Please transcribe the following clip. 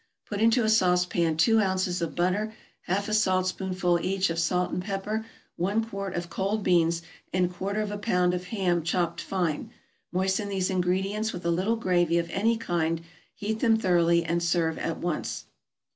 = Put into a sauce pan two ounces of butter, half a saltspoonful each of salt and pepper, one quart of cold beans, and quarter of a pound of ham chopped fine; moisten these ingredients with a little gravy of any kind, heat them thoroughly, and serve at once.